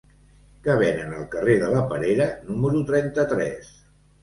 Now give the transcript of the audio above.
Què venen al carrer de la Perera número trenta-tres?